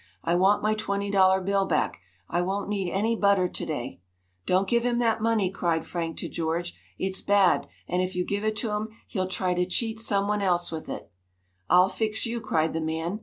"I want my twenty dollar bill back, I won't need any butter to day!" "Don't give him that money!" cried Frank to George. "It's bad, and if you give it to him, he'll try to cheat someone else with it." "I'll fix you!" cried the man.